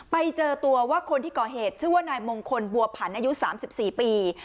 ไปเจอตัวว่าคนที่ก่อเหตุชื่อว่านายมงคลบัวผันอายุ๓๔ปี